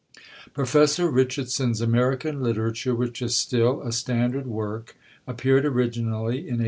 Professor Richardson's American Literature, which is still a standard work, appeared originally in 1886.